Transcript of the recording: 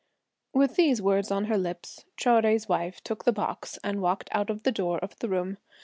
With these words on her lips, Chou Jui's wife took the box and walked out of the door of the room.